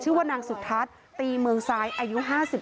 ชื่อว่านางสุทัศน์ตีเมืองซ้ายอายุ๕๓